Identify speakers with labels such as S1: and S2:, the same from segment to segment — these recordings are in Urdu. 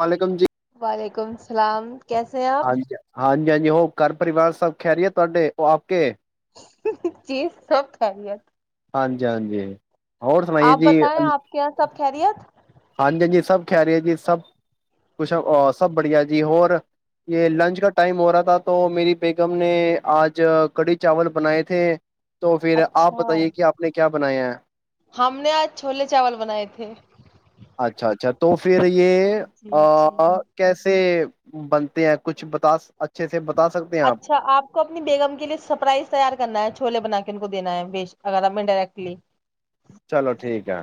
S1: وعلیکم جی
S2: وعلیکم السلام کیسے ہیں
S1: ہاں
S2: آپ
S1: جی ہاں ج ج ہاں جی ہو گھر پرریوار سب خیری ہے تے وہ آپ کے
S2: [inaudible]
S1: ہاں جی ہاں جی اور سنائیے
S2: آپ
S1: جی
S2: بتائیں آپ کے یہاں سب خیریت
S1: ہاں جی ہاں جی سب کھ رہی ہے جی سب کچھ سب بڑھیا جی اور یہ لنچ کا ٹائم ہو رہا تھا تو میری بیگم نے آج کڑھی چاول بنائے تھے تو پھر آپ
S2: اچھا
S1: بتائیے کہ آپ نے کیا بنایا
S2: ہم نے آج چھولے چاول بنائے تھے
S1: اچھا اچھا تو پھر یہ
S2: جی جی
S1: کیسے بنتے ہیں کچھ بتا اچھے سے بتا سکتے ہیں آپ
S2: اچھا آپ کو اپنی بیگم کے لیے سرپرائز تیار کرنا ہے ا چھوولے بنا کے ان کو دینا ہے بی اگر آپ انڈائریکٹلی
S1: چلو ٹھیک ہے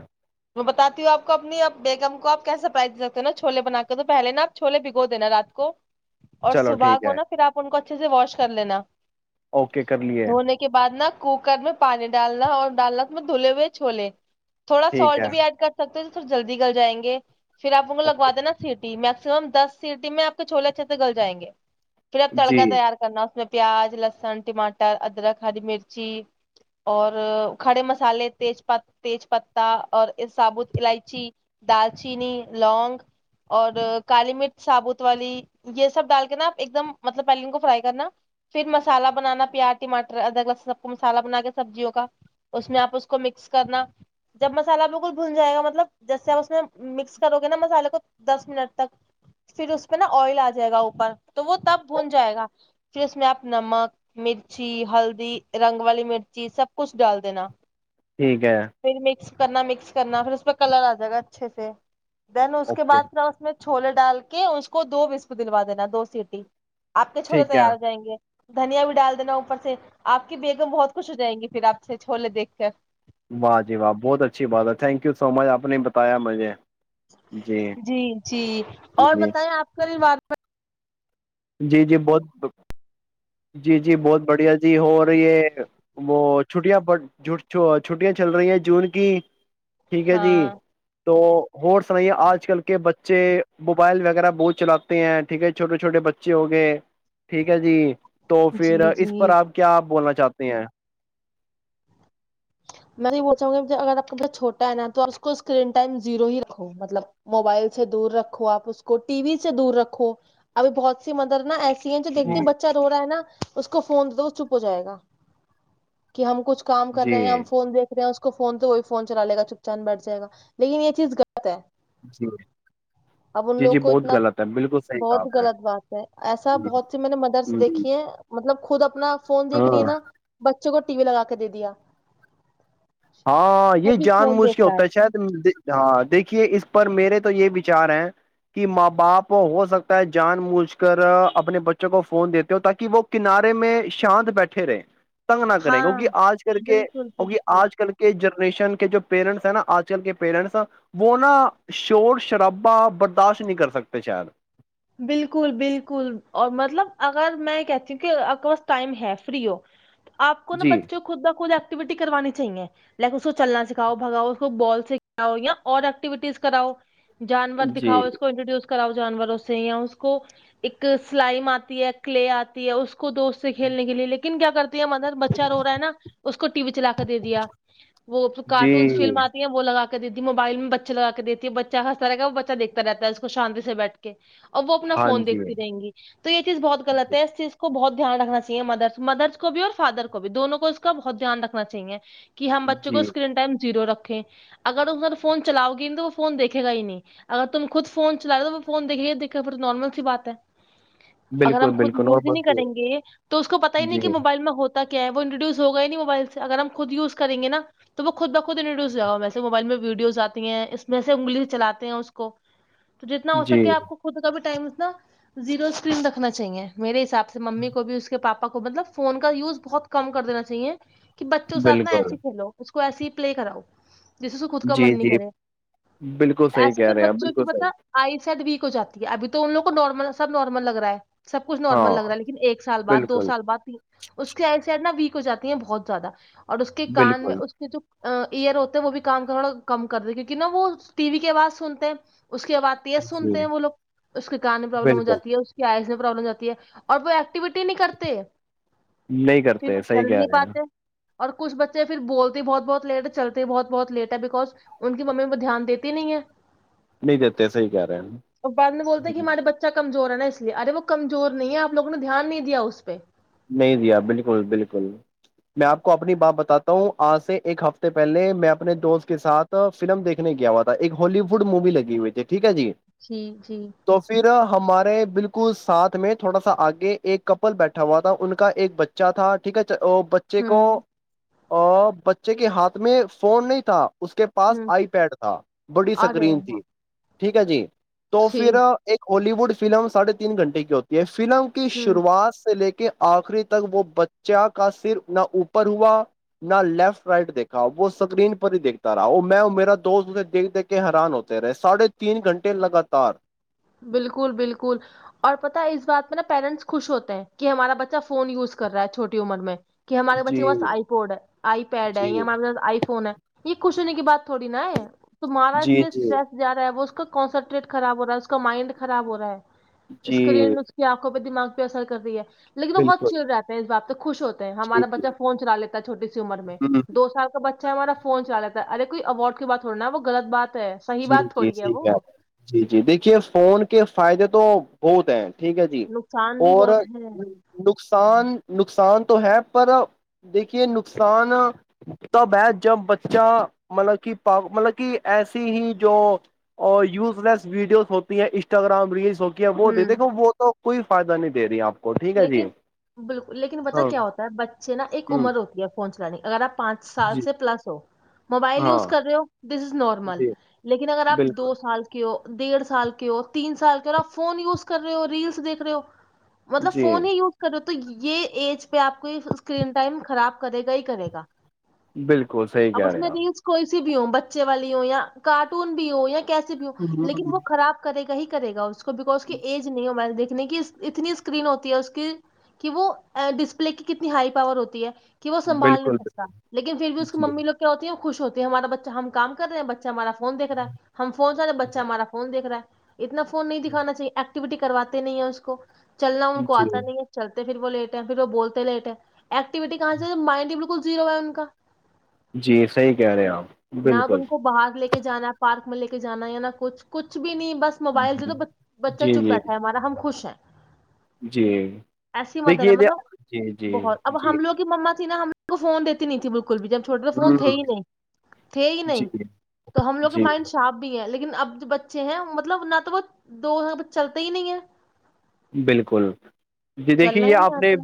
S2: میں باتی ہوں آپ کو اپنیپ بیگم کو آپ کیسے پرائز دے سکتے نا چھے بنا کے تو پہلے نا آپ چھولے بھگو دینا رات کو اور
S1: چلو
S2: صبح
S1: ٹھیک
S2: کو
S1: ہے
S2: نا پھر آپ ان کو اچھے سے واش کر لینا
S1: اوکے کر لیے
S2: دھونے کے بعد نا کوک میں پانی ڈالنا اور ڈالنا ت دھلے ہوئے چھوولے تھوڑے
S1: ٹھیک
S2: سالٹ
S1: ہے
S2: بھی ایڈ کر سکتے ہیں سر جلدی کرل جائیں گے پھر آپ کو
S1: اوکے
S2: لگا دینا سیٹ میکسمم دس سٹی میں آپ کے چھولا اچ چھ سے گل جائیں گے پھر اب
S1: جی
S2: تڑکا تیار کرنا اس میں پیاز لسن ٹماٹر ادرک ہری مرچی اور کھڑے مسالے تیز پ تیز پ تا اور سابوت الائچی دالچینی لونگ اور کالی مرچ ثابوت والی یہ سب ڈال کے نا آپ ایک دم مطلب پہلے ان کو فرائی کرنا پھر مسالہ بنانا پیاز ٹماٹر ادرک سب کو مسالہ بنا کے سبزیوں کا اس میں آپ اس کو مکس کرنا جب مسالہ بالکل بھون جائے گا مطلب جیسے آپ اس میں مکس کرو گے نا مسالے کو دس منٹ تک پھر اس پہ نا آئل آ جائے گا اوپر تو وہ تب بھون جائے گا پھر اس میں آپ نمک مرچی ہلدی رنگ والی مرچی سب کچھ ڈال دینا
S1: ٹھیک ہے
S2: پھر مکس کرنا مکس کرنا پھر اس پہ کلر آ جائے گا اچھے سے دین اس کے
S1: اوکے
S2: بعد کیا اس میں چھوولے ڈال کے اس کو دو بسب دلوا دینا دو سیٹی آپ کے چھولے
S1: ٹھیک ہے
S2: تیار ہو جائیں گے دھنیا بھی ڈال دینا اوپر سے آپ کی بیگم بہت خوش ہو جائیں گی پھر آپ سے چھوولے دیکھ کر
S1: واہ جی واہ بہت اچھی بات ہے تھینک یو سو مچ آپ نے بتایا مجھے
S2: جی جی
S1: جی
S2: اور
S1: جی
S2: بتائیں آپ کا رواد
S1: جی جی بہت جی جی بہت بڑھیا جی ہو رہی یہ وہ چھٹیاں ب چھٹیاں چل رہی ہیں جون کی ٹھیک ہے جی
S2: ہاں
S1: تو اور سنائیے آج کل کے بچے موبائل وغیرہ بہت چلاتے ہیں ٹھیک ہے چھوٹے چھوٹے بچے اچے ہو گئے ٹھیک ہے جی تو پھر
S2: جی
S1: اس
S2: جی
S1: پر آپ کیا بولنا چاہتے ہیں
S2: میں یہ بوچاہوں گی اگر آپ کا ب چھوٹا ہے نا تو اس کو اسکرین ٹائم زیرو ہی رکھو مطلب موبائل سے دور رکھو آپ اس کو ٹی وی سے دور رکھو ابھی بہت سی مدر نا ایسی جویکھتی
S1: جی
S2: ہیں بچہ ر رہا ہےا اس کو فون دیتے وہ چپ ہو جائے گا کہ ہم کچھ کام کر
S1: جی
S2: رہے ہیں ہم دیک رہ ہیں اس کو فون تو وہی فون چلا لےا چپ چان بیٹھائےا لیکن یہ چیز گ
S1: جی
S2: اب ان
S1: جی
S2: لوگ
S1: جی
S2: کو
S1: بہت
S2: اتنا
S1: غلط ہے بالکل صحیح کہا
S2: بہت
S1: آپ
S2: غلط بات ہے ایسا
S1: نے
S2: بہت سی میں نے مدرس
S1: ہوں،
S2: دیکھے ہے مطلب خود اپنا فون دیکنے
S1: ہاں
S2: ہیں نا ب بچوں کو ٹی وی لگا کے دے دیا
S1: ہاں
S2: وہ
S1: یہ
S2: بھی
S1: جان
S2: فون
S1: موجھ
S2: دیکھ
S1: کے
S2: رہا
S1: ہوتا ہے شاید ہاں دیکھیے اس پر میرے تو یہ بچار ہے کہ ماں باپ ہو سکتا ہے جان مجھ کر اپنے بچوں کو فون دیتے ہو تاکہ وہ کنارے میں شانت بیٹھے رہے تنگ نہ کریں
S2: ہاں
S1: کیکہ آج کر کے
S2: بالکل
S1: کیکہ
S2: بالکل
S1: آج کر کے جنریشن کے جو پیرنٹس ہیں نا آج کل کے پیرنٹس وہ نا شور شرابا برداشت نہیں کر سکتے شاید
S2: بالکل بالکل اور مطلب اگر میں کہتی ہوں کہ آپ کے پاس ٹائم ہے فری ہو آ کو نہا
S1: جی
S2: بچوں خود نا خود ایکٹیوٹی کروانی چاہیے لائک اس کو چلنا سکھاؤ بگاؤ اس کو بال سکھؤ یا اور ایکٹیویٹیز کراؤ جانور
S1: جی
S2: دکھاؤ اس کو انٹروڈیوس کراؤ جانور اس کو ایک سلائم آتی ہے کلے آتی ہے اس کو دوست سے کھیلنے کے لیے لیکن کیا کرتے مدر بچا ہو رہا ہے نا اس کو ٹی وی چلا کے دے دیا وہ
S1: جی
S2: کارٹون فلم آتی ہے وہ لگا کے دی موبائل میں بچ لگا کے دیتی ہے بچہ ہنتا گ وہ بچ دیکھتا ہے کو شانتی سے بیٹھ کے اور وہ اپنا
S1: ہاں
S2: فون
S1: جی
S2: دیکھتی رہیں گی تو یہ چیز بہت غلط ہے اس چیز کو بہت دھیان رکھنا چاہیے مدر مدر کو بھی اور فادر کو بھی دونوں کو اس کا بہت دھیان رکھنا چاہیے کہ ہم بچوں کو
S1: جی
S2: اسکرین ٹم زیر رکھ اگر فون چلاؤ گی نہیں تو وہ فون دیکھے گ ہی نہیں اگر تم خود فون چل تو فون دیکھے دیکو پر نارمل سی بات ہے اگر
S1: بالکل
S2: ہم خود
S1: بالکل اور
S2: یوز ہی نہیں
S1: بس
S2: کریں گے تو اس کو پتا ہی نہیں کہ
S1: جی
S2: موبائل میں ہوتا کیا ہے وہ انروڈیوس ہوگ ہی ن نہیں موبائل سے اگر ہم خود یوز کر گ نا تو وہ خود بخود انروڈیو ہو جا ویس موبائل میں ویڈیوز آتی ہیں اس میں سے انگلش چلے ہیں اس کو تو جتنا ہو
S1: جی
S2: سکتا کہ آپ کو خود کا بھی ٹائم ا زیرو اسکرین رکھنا چاہیے میرے حساب سے سے ممی کو بھی اس کے پاپا کو مطلب فون کا یوز بہت کم کر دینا چاہیے کہ بچوں سات نا
S1: بالکل
S2: ایسسی کھیلو کچ کویسی پلے کراؤ جسے سے خود کا
S1: جی
S2: من نہیں
S1: جی
S2: کرے
S1: بالکل صحیح
S2: ایسے
S1: کہہ
S2: تو
S1: رہے ہیں آپ
S2: بچوں
S1: بالکل
S2: کی
S1: صحیح
S2: پتا آئی سٹ ویک ہو جاتی ہے اھی تو ان لو کو نارمل سب نارمل لگ رہا ہے سب کچھ نارمل
S1: ہاں
S2: لگ رہا ہے لیکن ایک سال بعد دو
S1: بالکل
S2: سال بع اسڈ سڈ نا و ہو جاتی ہیں بہت زیادہ اور اس کے کان میں
S1: بالکل
S2: اس کے جو ایئر ہوتے ہے وہ بھی کام تھوڑا کم کر د کیونکہ نہا وہ ٹی وی کے آواز سنتے ہیں اس کے بع تیس سن
S1: جی
S2: وہ لوگ کے کان میں پرابلم ہو
S1: بالکل
S2: جات ہے اس کی آئز میں پرابلم جات ہے اور وہ ایک ایکٹیوٹی نہیں کرتے
S1: نہیں
S2: پھر وہ
S1: کرتے صحیح
S2: چل
S1: کہہ
S2: نہیں
S1: رہے ہیں
S2: پاتے اور کھ بچے پھر بولتے بہت بہت لیٹ چلتے بہت بہت لیٹ ہے بیکاز ان کی ممی میں دھیان دیتی نہیں ہے
S1: نہیں دیتے صحی کہہ رہے ہیں
S2: بد میں بولتے کہ ہمارے بچہ کم جو رہ ہے نا اس لیے ارے وہ کمزور نہیں ہے آپ لگوں نے دھیان نہیں دیا اس پہ
S1: نہیں جیا بالکل بالکل میں آپ کو اپنی بات بتاتا ہوں آج سے ایک ہفتے پہلے میں اپنے دوست کے ساتھ فلم دیکھنے کیا ہوا تھا ایک ہالی وڈ مووی لگی ہوئی دیک ٹھیک ہے جی
S2: جی جی
S1: تو پھر ہمارے بالکل ساتھ میں تھوڑا سا آگے ایک کپل بیٹھ تھا وہاں تھا ان کا ایک بچہ تھا ٹھیک ہے بچے کو
S2: ہوں
S1: اور بچے کے ہاتھ میں فون نہیں تھا اس کے پاس
S2: ہوں
S1: آئی پیڈ تھا بڑی
S2: ارے
S1: سکرین تھی
S2: ہاں
S1: ٹھیک ہے جی تو
S2: جی
S1: پھر ایک ہالی ووڈ فلم سڑھے تین گھنٹ کی ہوتی ہے فلم کی
S2: ہوں
S1: شروعات لے کے آخری تک وہ بچہ کا سر نہ اوپر ہوا نہ لیفٹ رائٹ دیکھا وہ اسکرین پر ہی دیکھتا رہا وہ میں میرا دوستے دیکھ دیکھ کے حیران ہوتے رہے ساڑھے تین گھنٹے لگاتار
S2: بالکل بالکل اور پتا اس بات میں نا پیرنٹس خوش ہوتے ہیں کہ ہمارا بچہ فون یوز کر رہا ہے چھوٹی عمر میں کہ ہمارے بچے
S1: جی
S2: کے پاس آئی پوڈ ہے آئی پیڈ ہے
S1: جی
S2: یا ہمارے پاس آئی فون ہے یہ کچھ ہونے کی بات تھوڑی نا ہے تمہارا اس
S1: جی
S2: پہ
S1: جی
S2: اسٹریس زیادہ ہے وہ اس کنسنٹریٹ خراب ہو رہا اس کو اس کا مائنڈ خراب ہو رہا ہے اسکرین
S1: جی
S2: میں اس کی آنکھوں پہ دمغ پہ اثر کر رہی ہے لیکن وہ بہت
S1: بالکل
S2: چڑ رہاتتے ہیں اس بات سے خوش ہوتے ہیں
S1: جی
S2: ہمارا بچہ
S1: جی
S2: فون چلا لیتا ہے چھٹی سی عمر میں
S1: ہ
S2: دو سال کا بچہ ہمارا فون چ رہتا ہے ارےئیوارڈ کی بات ہوناا وہ غط بات ہے صحیح
S1: جی
S2: بات
S1: جی
S2: تھوڑی ہے
S1: صحیح گیا
S2: وہ
S1: جی جی دیکھیے فون کے فائدے تو بہت ہیں ٹھیک ہے جی
S2: نقصان بھی
S1: اور
S2: بہت ہے
S1: نقصان ن نقصان تو ہے پر دیکھیے نقصان تب ہے جب بچہ مطلب کہ پ مطلب کہ ایسا ہی جو یوز لیس ویڈیوز ہوتی ہیں انسٹاگرام ریلس سوکیا وہ د
S2: ہوں
S1: دیکھ وہ تو کوئی فائدہ نہیں دے رہی آپ کو ٹھیک ہے جی
S2: لیکن بالکل لیکن بتہ
S1: ہاں
S2: کیا ہوتا ہے بچے نا ایک
S1: ہ
S2: عمر ہوتی ہے فون چلانے اگر آپ پانچ سال
S1: جی
S2: سے پلس ہو موبائل یوز
S1: ہاں
S2: کر رہے ہو دس از نارمل
S1: جی
S2: لیکن اگر آپ دو
S1: بالکل
S2: سال کی ڈیڑھ سال کے ہو تین سال کے اور آپ فون یوز کر رہے ہو ریلس دیکھے ہو مطلب
S1: جی
S2: فون ہی یوز کر تو یہ ایج پہ آپ کو اسکرین ٹائم خراب کرے گا ہی کرے گا
S1: بالکل صحی
S2: اب
S1: کہہ
S2: اس
S1: رہے
S2: میں
S1: ہیں آپ
S2: ریلس کوئی بھی ہو بچے والی ہو یا کارٹون بھی ہو یا کیسے بھی ہوں
S1: ہ
S2: لیکن
S1: ہ
S2: وہ خراب کرے گی یہی کرے گا اس کو بکیکز کی ایج نہیں ہو میں نےیکھھی نہیں کہ اتنی اسکرین ہوتی ہے اس کی کہ وہ ڈسپلے کی کتنی ہائی پاور ہوتی ہے کہ وہ سنبھال
S1: بالکل
S2: نہیں سکتا لیکن پھر بھی اس کی
S1: بالکل
S2: ممی لوگ کیا ہوتی ہیں خوش ہوتی ہمارا بچہ ہم کام کرے ہیں بچہ ہمارا فون دیک رہا ہے ہم فون سےارے بچہ ہمارا فون دھ رہا ہے اتنا فون نہیں دکھانا چاہیے وٹی کرواتے نہیں ہیں اس کو چلنا ان کو
S1: جی جی
S2: آتا نہیں ہے چلتا پھر وہ لیٹ ہے پھر ایکٹیوٹی کہاں سے مائنڈ بالکل [unintelligible]
S1: جی صحیح کہہ رہے آپ
S2: نہ اب
S1: بالکل
S2: ان کو باہر لے کے جانا پارک لے کے جانا ہے نہ کچھ کچھ بھی نہیں بس موبائل جو
S1: ہوں
S2: تو بچہ
S1: جی
S2: چپ
S1: جی
S2: بیٹھا ہے ہمارا ہم خوش ہیں
S1: جی
S2: ایسی مدر ہے
S1: دیکھیے
S2: مطلب
S1: جی جی
S2: بہت اب
S1: جی
S2: ہم لوگ کی مما تھی نا ہم فون دیتی نہیں تھی بالکل کل بھی ج ہم چھوٹے تو فون تھے ہی نہیں تھے ہی
S1: جی جی
S2: نہیں تو ہم لوگ کے
S1: جی
S2: مائنڈ شاپ بھی ہے لیکن اب جو بچے ہیں مطلب نہ تو وہ دو ہیں چلتے ہی نہیں ہے
S1: بالکل جی دیکھیے
S2: چلنا
S1: یہ
S2: ہی
S1: آپ
S2: نہیں
S1: نے
S2: آتا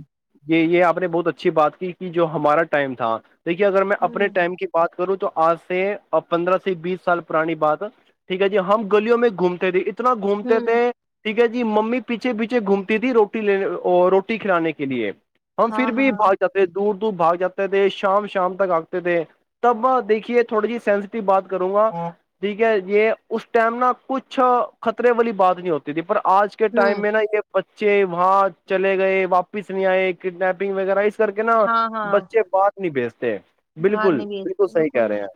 S1: یہ یہ آپ نے بہت اچھی بات کی کہ جو ہمارا ٹائم تھا دیکھیے اگر میں اپنے
S2: ہوں
S1: ٹائم کی بات وں تو آج سے پندرہ سے بیس سال پرانی بات ٹھیک ہے جی ہم گلیوں میں گھومتے تھے ا اتنا گھومتے
S2: ہوں
S1: تھے ٹھیک ہے جی ممی پیچھے پیچھے گھومتی تھی روٹی لینے روٹی کھلانے کے لیے ہم
S2: ہاں
S1: پھر بھی
S2: ہاں
S1: بھاگ جاتے ہیں دور بھاگ جاتے تھے شام شام تک آگتے تھے تب دیکھیے تھوڑی جی سینٹیو بات کروں گا ٹھیک ہے یہ اس ٹم نا کچھ خطرے والی بات نہیں ہوتی تھی پر آج ک ٹائم
S2: ہوں
S1: میں نا یہ بچ چ وہاں چلے گئے واپس نہیں آئے کڈنیپنگ وغیرہ کر کے نا
S2: ہاں ہاں
S1: بچے بات نہیں بھیجتے
S2: باہر
S1: بالکل
S2: نہیں بھیتے
S1: صحیح کہہ
S2: بالکل
S1: رہے ہیں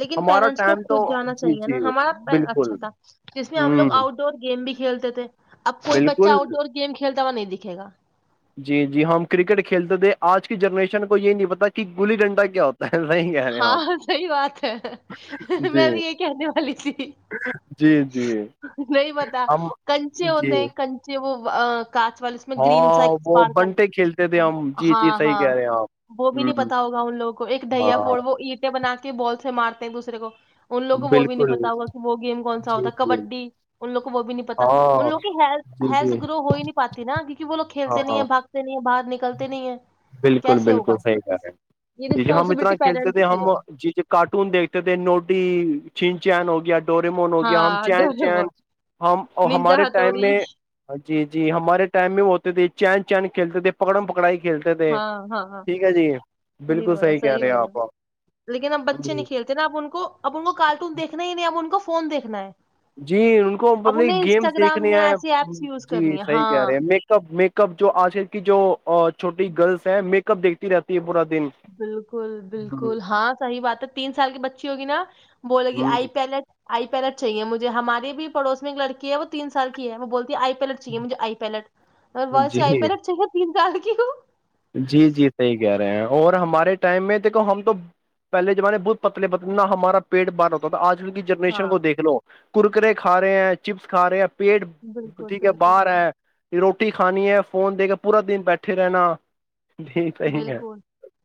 S2: لیکن
S1: ہمارا
S2: پیرنٹس کو
S1: ٹائم تو
S2: خود جانا
S1: جی
S2: چاہیے نا
S1: جی
S2: ہمارا اچھا
S1: بالکل
S2: تھا جس میں ہم لوگ
S1: ہوں
S2: آؤٹ ڈور گیم بھی کھیلتے تھے اب کوئی بچ
S1: بالکل
S2: آؤٹ ڈور گیم کھیل ا نہیں دکھے گا
S1: جی جی ہم کرکٹ کھیلتے تھے آج کی جنریشن کو یہ نہیں پتا کہ گلی ڈنڈا کیا ہوتا ہے صحیح کہہ رہے ہیں آپ
S2: ہاں صحی بات ہے
S1: جی
S2: میں بھی یہ کہنے والی تھی
S1: جی جی
S2: نہیں پتا
S1: ہم
S2: کنچے ہوتے
S1: جی
S2: ہیں کنچے وہ [unintelligible] کاچ وال اس میں گرین سا ایک
S1: ہاں وہ
S2: اسپارکل
S1: بنٹے کھیلتے تھے ہم جی جی
S2: ہاں
S1: صحیح
S2: ہاں
S1: کہہ رہے ہیں آپ
S2: وہ بھی نہیں
S1: ہوں
S2: پتا ہوگا ان لوگوں کو ایک ڈھیا
S1: ہاں
S2: ہو وہ عیدیں بنا کے بال سے مارتے ہیں دوسرے کو ان لوگ کو وہ بھی نہیں
S1: بالکل
S2: پتا ہوگا کہ وہ گیم کون سا
S1: جی
S2: ہوتا
S1: جی
S2: کبڈی ان لو کو وہ بھی نہیں پتا ان
S1: ہاں
S2: لو کی
S1: جی
S2: ہیلتھ
S1: جی
S2: گرو ہو ہی نہیں پاتی نا وہولو
S1: ہاں
S2: کھیلتے نہیں
S1: ہاں
S2: ہے باگتے نہیں ہے باہر نک
S1: بالکل بالکل صحیح کہ ہے
S2: یہ
S1: جی ج ہم اتنا
S2: رسپانسبلٹی
S1: کھیلتے تھے
S2: پیرنٹس کی
S1: ہم
S2: ہے
S1: جی ج کارٹون دیکھتے تھے نوڈی چن چین ہو گیا ڈورمون ہو گیا ہم
S2: ہاں
S1: چین چین
S2: ڈوریمون
S1: ہم
S2: ننجا
S1: ہمارے ٹائم
S2: ہتھوڑی
S1: میں جی جی ہمارے ٹائم میں وہ ہوتے تھے چین چین کھیلتے تھے پکڑم پکڑائی کھیلتے تھے
S2: ہاں ہاں ہاں
S1: ٹھیک ہے جی
S2: صحی
S1: بالکل
S2: بولا
S1: کہہ
S2: صحیح
S1: رہے ہیں
S2: بولا
S1: آپ
S2: لیکن اب بچے
S1: ہ
S2: نہیں کھیلتے نا اب ان کو اب ان کو کارٹون دیکھنا ہی نہیں اب ان کو فون دیکنا ہے [unintelligible]
S1: جی ان کو
S2: اب
S1: مطل
S2: انہیں
S1: گیمس
S2: انسٹاگرام
S1: دیکھنے
S2: یا
S1: ہیں
S2: ایسی ایپس یوز
S1: جی
S2: کرنی ہے
S1: صحیح کہہ رہے
S2: ہاں
S1: ہیں میک اپ میک اپ جو آج کل کی جو چھوٹی گرلس ہے میک اپ دیکتی رہتی ہے پورا دن
S2: بالکل
S1: ہ
S2: بالکل ہاں صحیح بات ہے تین سال کی بچی ہوگی نا بولے گی آئی
S1: ہ
S2: پیلٹ آئی پیلڈ چاہیے مجھے ہمارے بھی پڑوس میں ایک لڑی ہے وہ تین سال کی ہے وہ بول آئی پیلٹ چاہیے مجھے آئی پیلٹ اور ویس
S1: جی
S2: سے آئی پیلٹ چاہیے تین سال کے کی [unintelligible]
S1: جی جی صحیح کہہ رہے ہیں اور ہمارے ٹائم میں دیکھو ہم تو پہے زمانے بہت پتلے پتلے نہ ہمارا پیٹ بار ہوتا تھا آج کی
S2: ہاں
S1: جنریشن کو دیکھ لو کرکرے کھا رہے ہیں چپس کھا رہے ہیں پیٹ
S2: بالکل
S1: ٹھیک ہے
S2: بالکل
S1: باہر ہے روٹی کھانی ہے فون دے کے پورا دن بیٹھے رہنا ٹھیک صحیح ہے
S2: بالکل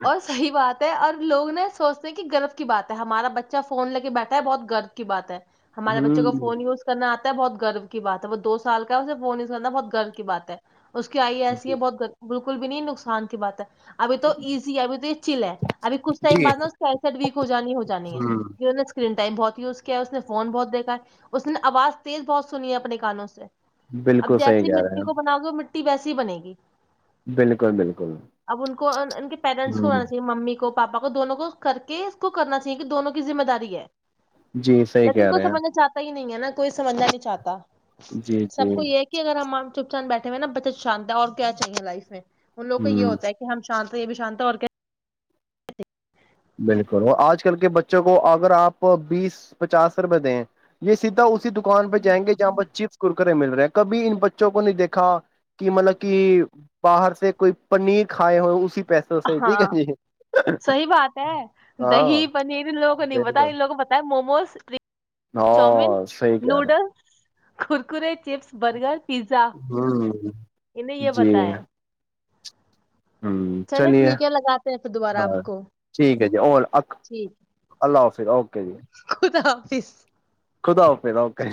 S2: اور صحیح بات ہے اور لوگ نے سوچتے کہ گرو کی بات ہے ہمارا بچہ فون لے کے بیٹھا ہے بہت گرو کی بات ہے ہمارے بچوں کو فون
S1: ہ
S2: یوز کرنا آتا بہت گرو کی بات ہے وہ دو سال کا ہے اسے فون نہیں سننا بہت گرو کی بات ہے اس کی آئیے ایسی بہت بھی نہیں نقصان کی بات ہے ابھی تو ایزی ہے ابھی تو یہ چل ہے ابھی کچھ ٹائم
S1: جی
S2: بد نا اسکسٹ ویک ہو جانی ہو جانی ہے
S1: ہ
S2: اسکرین پ ائم بہت یوز کیا ہے اس نے فون بہت دیکا اس نے آواز تیز بہت سنی ہے اپنے گانوں سے
S1: بالکل صحی کہہ رہے ہیں ہم
S2: رٹی ویسی ہی بنے گی
S1: بالکل بالکل
S2: اب ان کو ان کے پیرنٹس کو
S1: ہ
S2: ہونا چاہیے ممی کو پاپا کو دونوں کو کر کے اس کو کرنا چاہیے کہ دونوں کی ذمہ داری ہے
S1: جی صحیح
S2: لیکن
S1: کہہ
S2: کوئی
S1: رہے ہیں
S2: سمجھنا چاہتا ہی نہیں ہےا کوئی سمجھنا نہیں چاہتا
S1: جی جی
S2: سب کو ایک ہی اگر مان چ چان بیٹھےئے نا بچت شانت ہے اور کیا چاہیے لائف میں ان لوگ کو یہ
S1: ہ
S2: ہوتا ہے شانت ہے یہ بھی شانت ہے اور کیا
S1: بالکل آج کل کے بچوں کو اگر آپ بیس پچاس روپئے دیں یہ سیدھا اس دکان پہ جیں گے جہاں پر چپس کرکرے مل رہے ہیں کبھی ان بچوں کو نہیں دیکھا کہ مطلب کہ باہر سے کوئی پنیر کھائے ہو اسی پیسوں صحی ٹھیک
S2: ہاں
S1: ہے جی
S2: صحیح بات
S1: ہاں
S2: دہی پنیر ان لوگوں کو نہیں بتا
S1: بالکل
S2: ان لوگ کو بتا ہے موموز چاؤومین
S1: ہاں صحیح کہہ رہے
S2: نوڈل [inaudible] چپس برگر پیزا
S1: ہ
S2: انہیں یہ
S1: جی
S2: بتایا
S1: ہ چلیے
S2: ٹھیک ہے لگاتے ہیں پھر دوبارہ
S1: ہاں
S2: آپ کو
S1: ٹھیک ہے جی اور
S2: ٹھیک
S1: اللہ حافظ اوکے جی
S2: [inaudible]
S1: خوداؤ پھریداؤ کہئی